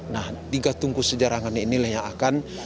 nah tiga tungku sejarangan inilah yang akan